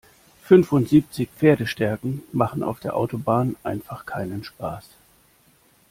Fünfundsiebzig Pferdestärken machen auf der Autobahn einfach keinen Spaß.